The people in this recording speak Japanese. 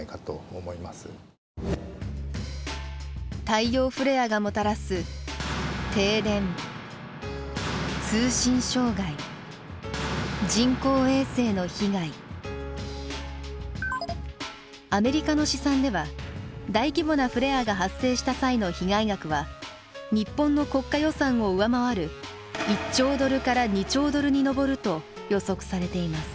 太陽フレアがもたらすアメリカの試算では大規模なフレアが発生した際の被害額は日本の国家予算を上回る１兆ドルから２兆ドルに上ると予測されています。